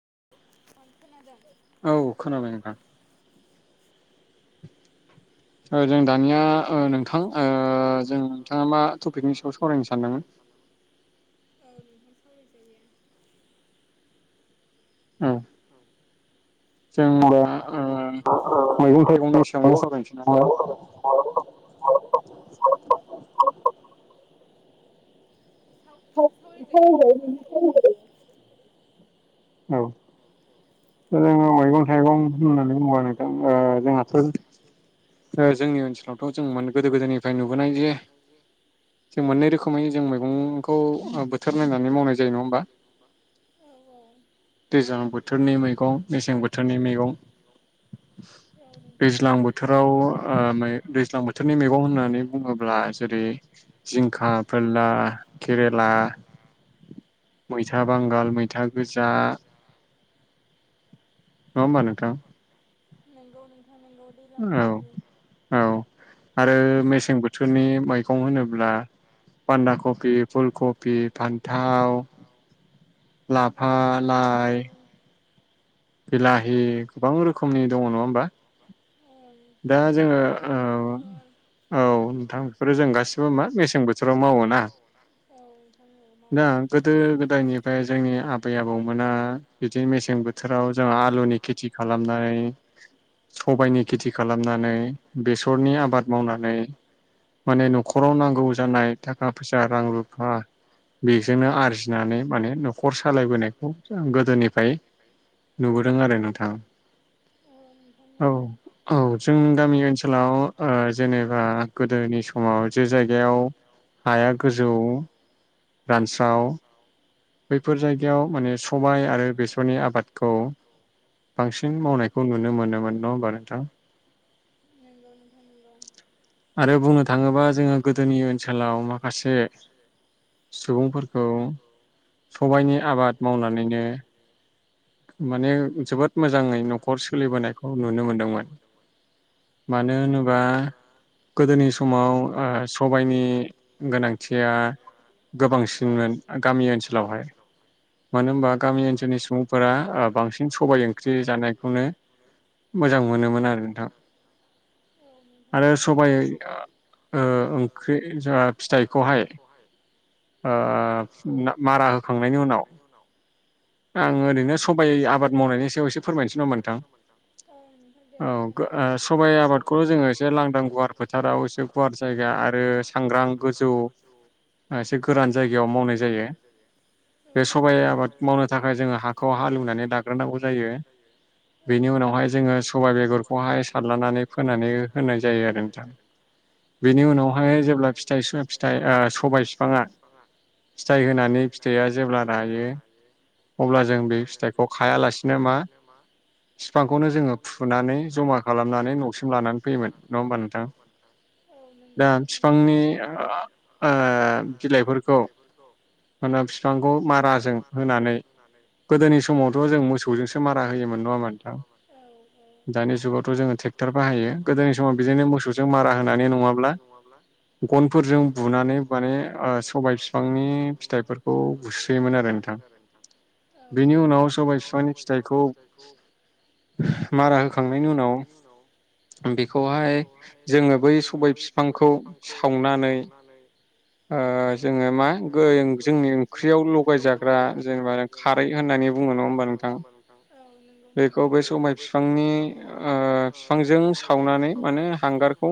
[unintelligible] औ खोनाबाय नोंथां [inaudible] ओ जों दानिया ओ नोंथां ओ जों नोंथाङा मा टपिकनि सायाव सावरायनो सानदोंमोन? [inaudible] औ नोंथां सावराय जायो। औ जोंबा ओ मैगं थाइगंनि सायावनो सावरायनोसै नामा [unintelligible] [unintelligible] औ जोङो मैगं थाइगं होननानै बुंबा नोंथां ओ जोंहाथ' ओ जोंनि ओनसोलावथ' जों गोदो गोदायनिफ्राय नुबोनाय जे जों मोननै रोखोमै जों मैगंखौ बोथोर नायनानै मावनाय जायो नङा होमबा दैज्लां बोथोरनि मैगं मेसें बोथोरनि मैगं दैज्लां बोथोराव आ मै दैज्लां बोथोरनि मैगं होननानै बुङोब्ला जेरै- जिंखा फोरला केरेला मैथा बांगाल मैथा गोजा नंगौ नों दैलां बोथोरनि औ औ आरो मेसें बोथोरनि मैगं होनोब्ला बान्दा कफि फुल कफि फान्थाव लाफा लाइ बिलाहि गोबां रोखोमनि दङ नङा होमबा दा जोङो ओ औ नोंथां बेफोरो जों गासिबो मा मेसें बोथोराव मावो ना दा गोदो गोदायनिफ्राय जोंनि आबै आबौ मोना बिदि मेसें बोथोराव जोंया आलुनि खेथि खालामनानै सबाइनि खेथि खालामनानै बेसरनि आबाद मावनानै माने न'खराव नांगौ जानाय थाखा फैसा रां रुफा बेजोंनो आरजिनानै माने न'खर सालायबोनाय नायखौ गोदोनिफ्राय नुबोदों आरो नोंथां औ औ जोंनि गामि ओनसोलाव आ जेनेबा गोदोनि समाव जे जायगायाव हाया गोजौ रानस्राव बैफोर जायगायाव। माने सबाय आरो बेसरनि आबादखौ। बांसिन मावनायखौ नुनो मोनोमोन नङा होनबा नोंथां। नांगौ नोंथाङ नंगौ आरो बुंनो थाङोबा जोङो गोदोनि ओनसोलाव माखासे। सुबुंफोरखौ सबायनि आबाद मावनानैनो। माने जोबोद मोजाङै न'खर सोलिबोनायखौ नुनो मोनदोंमोन। मानो होनोबा। गोदोनि समाव सबायनि गोनांथिया। गोबांसिनमोन गामि ओनसोलावहाय मानो होनबा गामि ओनसोलनि सुबुं। सुबुंफोरा ओ बांसिन सबाइ ओंख्रि जानायखौनो। मोजां मोनोमोन आरोना आरो सबाइ। ओ ओंख्रि जोंहा फिथाइखौहाय ओ मारा। खांनायनि उनाव। आं ओरैनो सबायाइ आबाद मावनायनि सायाव एसे फोरमायनोसै नामा नोंथां औ। सबायाइ आबादखौल' जोङो एसे लांदां गुवार फोथाराव एसे गुवार जायगा आरो सांग्रां गोजौ। एसे गोरान जायगायाव मावनाय जायो बे सबाइ आबाद। मावनो थाखाय जोङो हाखौ हालेवनानै लाग्रोनांगौ जायो। बेनि उनावहाय जोङो सबायाइ बेगरखौहाय सारलानानै फोनानै होनाय जायो आरो नोंथां। बिनि उनावहाय जेब्ला फिथाइ फिथाइ सबाय बिफाङा। फिथाइ होनानै फिथाइया जेब्ला रायो। अब्ला जों बे फिथाइखौ खायालासिनो मा। बिफांखौनो जोङो फुनानै जमा खालामनानै न'सिम लानानै फैयोमोन नङा होमबा नोंथां। दा बिफांनि ओ बिलाइफोरखौ। [unintelligible] बिफांखौ माराजों। माराजों होनानै गोदोनि समावथ' जों मोसौजोंसो मारा होयोमोन नङा होमबा नोंथां। औ औ दानि जुगावथ' जोङो ट्रेक्टर बाहायो गोदोनि समाव बिदिनो मोसौजों मारा होनानै नङाब्ला। गनफोरजों बुनानै माने सबाय बिफांनि फिथाइ। बुस्रियोमोन आरो नोंथां। बेनि उनाव सबाइ बिफांनि फिथाइखौ। मारा होखांनायनि उनाव। बेखौहाय जोङो बै सबाय बिफांखौ सावनानै। जोङो मा जोंनि ओंख्रियाव लगाय जाग्रा। जेनेबा खारै होननानै बुङो नङा होमबा नोंथां बेखौ बे साय बिफांनि बिफांजों सावनानै माने हांगारखौ।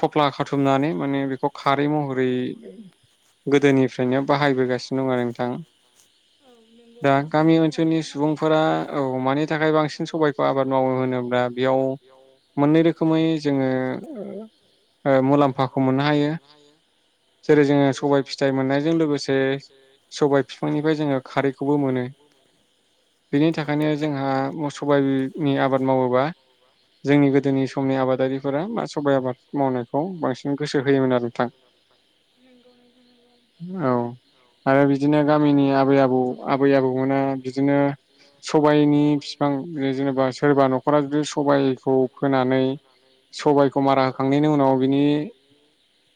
थफ्ला खाथुमनानै माने बेखौ खारै महरै। गोदोनिफ्रायनो बाहायबोगासिनो दं आरो नोंथां। दा गामि ओनसोलनि सुबुंफोरा औ मानि थाखाय बांसिन सबायखौ आबाद मावो होनोब्ला। बेयाव मोननै रोखोमै जोङो। मुलाम्फाखौ मोननो हायो जेरै जोङो सबाय फिथाइ। फिथाइ मोननायजों लोगोसे सबाय बिफांनिफ्राय जोङो खारैखौबो मोनो। बेनि थाखायनो जोंहा सबायाइनि आबाद मावोबा। जोंनि गोदोनि समनि आबादारिफोरा मा सबाइ आबाद मावनायखौ बांसिन गोसो होयोमोन आरो नोंथां। [inaudible] औ। आरो बिदिनो गामिनि आबै आबौ आबै आबौमोना बिदिनो सबायनि बिफां बि जेनेबा सोरबा न'खरा जुदि सबाइखौ फोनानै सबाइखौ मारा हो होखांनायनि उनाव बिनि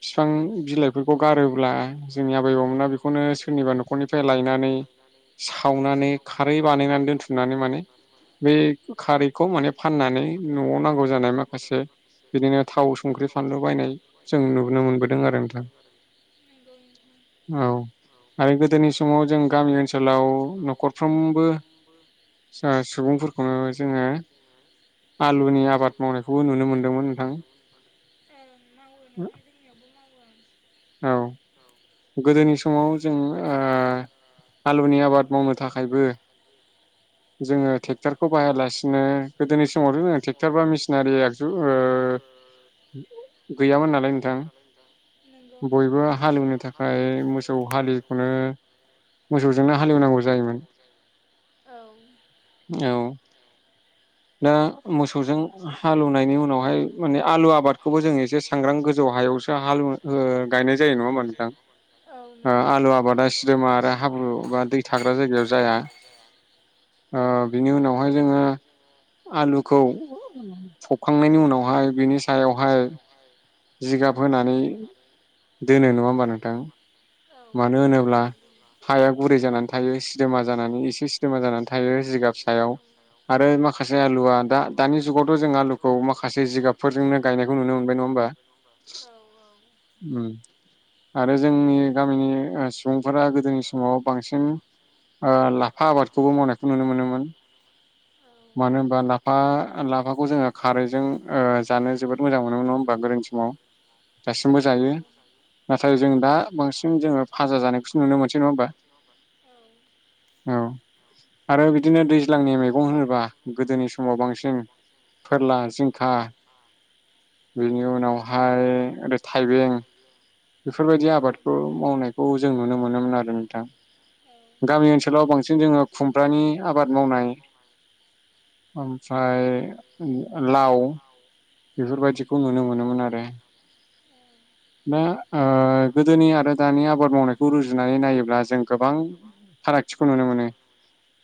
बिफां बिलाइफोरखौ गारोब्ला जोंनि आबै आबौमोना बेखौ। बेखौनो सोरनिबा न'खरनिफ्राय लायनानै सावनानै खारै बानायनानै दोनथुमनानै माने बे खारैखौ मान फाननानै न'आव नांगौ जानाय माखासे बिदिनो थाव संख्रि फानलु बायनाय जों नुनो मोनबोदों आरो नोंथां औ आरो गोदोनि समाव जों गामि ओनसोलाव न'खरफ्रोमबो सुबुंफोरखौनो जोङो आलुनि आबाद मावनायखौबो नुनो मोनदोंमोन नोंथां। ओ मावो ओमाय जोंनियावबो मावो। औ गोदोनि समाव जों ओ आलुनि आबाद मावनो थाखायबो। जोङो थे खौ बाहायालासिनो गोदोनि समावथ' जों ट्रेक्ट'र बा मिसिनारि आगजु ओ गैयामोन नालाय नोंथां बयबो हालेवनो थाखाय। मोसौ हालिखौनो मोसौजोंनो हालेवनांगौ जायोमोन। औ दा मोसौजों हालौवनायनि उनावहाय माने आलु आबादखौबो जों एसे सांग्रां गोजौ हायाव यावसो हालेव ओ गायनाय जायो नङा होनबा नोंथां ओ आलु आबादा सिदोमा आरो हाब्रु बा दै थाग्रा जायगायाव जाया ओ बिनि उनावहाय जोङो आलुखौ फबखांनायनि उनावहाय बिनि सायावहाय जिगाब होनानै दोनो नङा होमबा नोंथां। मानो होनोब्ला हाया गुरै जानानै थायो सिदोमा जानानै एसे सिदोमा जानानै थायो। जिगाब सायाव आरो माखासे। बा दा दानि जुगावथ' जों आलुखौ माखासे जिगाबफोरजोंनो गायनायखौ नुनो मोनबाय नङा होमबा ओम आरो जोंनि गामिनि सुबुंफोरा गोदोनि समाव बांसिन ओ लाफा आबादखौबो मावनायखौ नुनो मोनोमोन मा लाफा लाफाखौ जोङो खारैजों जानो जोबोद मोजां मोनोम नङा होमबा गोदोनि समाव। दासिमबो जायो। नाथाय जों दा बांसिन जोङो फाजा जानायखौसो नुनो मोनसै नङा होमबा? औ आरो बिदिनो दैज्लांनि मैगं होनोबा। नि समाव बांसिन फोरला जिंखा। बेनि उनावहाय ओरै थाइबें। बेफोरबायदि आबादखौ मावनायखौ जों नुनो मोनोमोन आरो नोंथां। गामि ओनसोलाव बांसिन जोङो खुमब्रानि आबाद मावनाय ओमफ्राय लाव बेफोरबायदिखौ नुनो मोनोमोन आरो। दा ओ गोदोनि आरो दानि आबाद मावनायखौ रुजुनानै नायोब्ला जों गोबां फारागथिखौ नुनो मोनो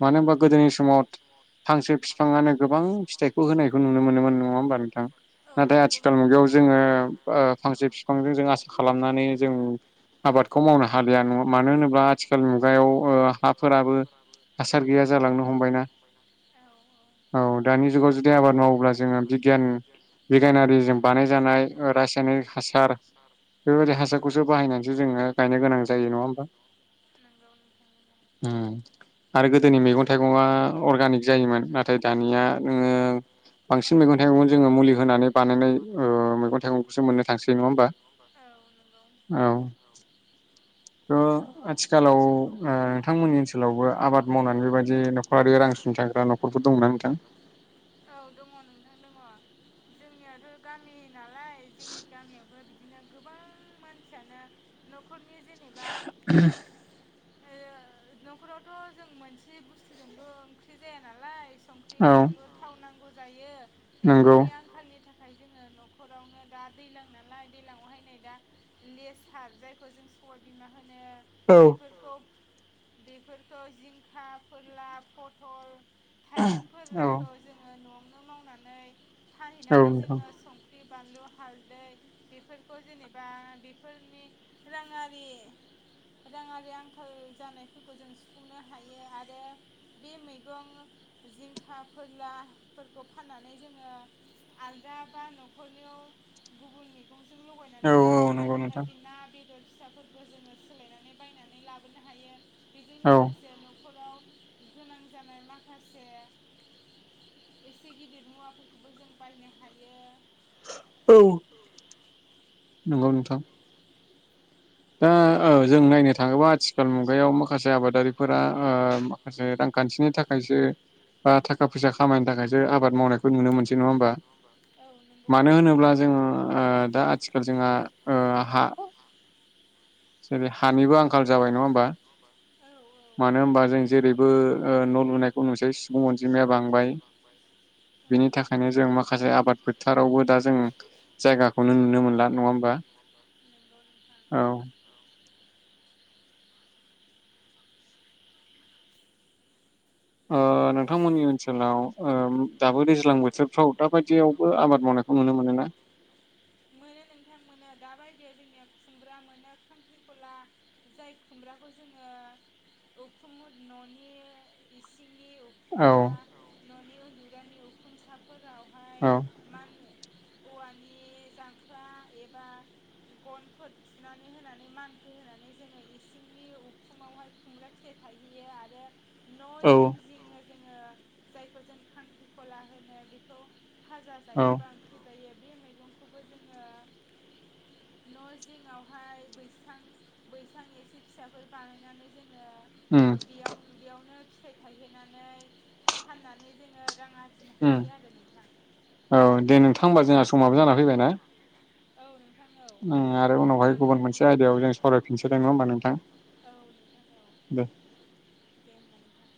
मानो होनबा गोदोनि समाव हांसो फि। बिफाङानो गोबां फिथाइखौ होनायखौ नुनो मोनोमोन नङा होमबा नोंथां नाथाय आथिखाल मुगायाव जोङो फांसे बिफांजों जों आसा खालामनानै जों आबादखौ मावनो हालिया नङा मानो होनोब्ला आथिखाल मुगायाव ओ हाफोराबो। हासार गैया जालांनो हमबायना। औ दानि जुगाव जुदि आबाद मावोब्ला जोङो बिगियान बिगियानारिजों बानायजानाय ओ रासायनिक हासार बेबायदि हासारखौसो बाहायनानैसो जोङो गायनो गोनां जायो नङा होमबा ओम आरो गोदोनि मैगं थाइगङा अर्गानिक जायोमोन ना थाय दानिया नोङो बांसिन मैगं थाइगं जोङो मुलि होनानै बानायनाय ओ मैगं थाइगंखौसो मोननो थांसै नङा होमबा औ थ' आथिखालाव ओ नोंथांमोननि ओनसोलावबो आबाद मावनानै बेबायदि न'खर आरो रां सुंथाग्रा न'खरफोर दंना नोंथां दङ जोंनियाथ' गामि नालाय जोंनि गामियावबो बि दिनो गोबां मानसियानो न'खरनि जेनेबा ओ न'खरावथ' जों मोनसे बुस्थुजोंल' ओंख्रि जाया नालाय। संख्रि बानलु थाव नांगौ जायो बेफोरनि आंखालनि था खाय जोङो न'खरावनो दा दैलां नालाय दैलांआवहाय नै दा लेसार जायखौ जों [unintelligible] ओ बेफोरखौ बेफोरखौ जिंखा फोरला फ थाइबेंफोरखौ जोङो न'आवनो मावनानै फानहैनानै जोङो संख्रि बानलु हालदै बेफोरखौ जेनेबा बेफोरनि राङारि राङारि आंखाल जानायफोरखौ जों सुफुंनो हायो आरो बे मैगं जिंखा फोरलाफोरखौ फाननानै जोङो आलदा बा न'खरनियाव गुबुन मैगं जों लगायनानै जानो जेरैहाय बे ना बेदर फिसाफोरबो जोङो सोलायनानै बायनानै लाबोनो हायो बेजों लोगोसे न'खराव गोनां जानाय माखासे एसे गिदिर मुवाफोरखौबो जों बायनो हायो। औ। नंगौ नोंथां। दा ओ जों नायनो थाङोबा आथिखाल मुगायाव माखासे आबादारिफोरा ओ मा खासे आरो रांखान्थिनि थाखायसो बा थाखा फैसा खामायनो थाखायसो आबाद मावनायखौ नुनो मोनसै नङा होमबा मानो होनोब्ला जो ङो ओ दा आथिखाल जोंहा ओ हा जेरै हानिबो आंखाल जाबाय नङा हमबा? मानो होनबा जों जेरैबो ओ न' लुनायखौ नुसै सुबुं अनजिमाया बांबाय। बेनि थाखायनो जों माखासे आबाद फोथारावबो दा जों जायगाखौनो नुनो मोनला नङा होमबा औ ओ नोंथांमोननि ओनसोलाव ओ दाबो दैज्लां बोथोरफ्राव दाबायदियावबो आबाद मावनायखौ नुनो मोनो ना? मोनो मोनो दाबायदियाव जोंनिया खुमब्रा मोनो खांख्रिखला जाय खुमब्राखौ जोङो [inaudible] उखुमु न'नि इसिं औ। न'नि उन्दुग्रानि उखुमसाफोरावहाय मा होनो [inaudible] औवानि जांख्रा एबा गनफोर थुनानै होनानै मानखो होनानै जोङो इसिंनि उखुमावहाय खुमब्रा फिथाइ थायहैयो आरो न' जि जिं जिङाव जोङो जायखौ जों खांख्रिखला होनो बेखौ भाजा जायोबा ओंख्रि [inaudible] न' जिङावहाय बैसां बैसां एसे फिसाफोर बानायनानै जों। उम बेयावनो फिथाइ थायहैनानै फाननानै जोङो रां आरजिनो हायो आरो नोंथां। औ दे नोंथां होमबा जोंहा समाबो जाना फैबाय ना? उम आरो उनावहाय गुबुन मोनसे आयदायाव जों सावरायफिनसै लाय नङा होमबा नोंथां? दे। दे होनबा नोंथां।